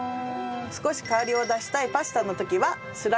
少し香りを出したいパスタの時はスライスします。